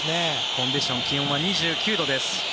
コンディション気温は２９度です。